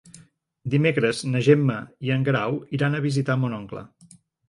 Dimecres na Gemma i en Guerau iran a visitar mon oncle.